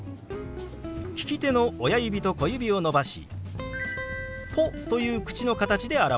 利き手の親指と小指を伸ばし「ポ」という口の形で表します。